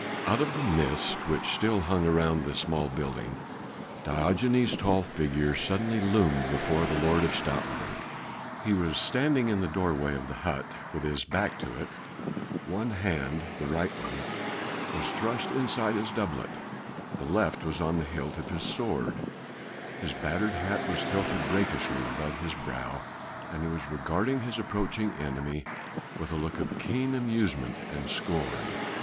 Out of the mist which still hung round the small building Diogenes' tall figure suddenly loomed before the Lord of Stoutenburg. He was standing in the doorway of the hut, with his back to it; one hand the right one was thrust inside his doublet, the left was on the hilt of his sword; his battered hat was tilted rakishly above his brow and he was regarding his approaching enemy with a look of keen amusement and of scorn.